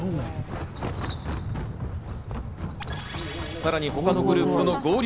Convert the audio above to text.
さらに他のグループと合流。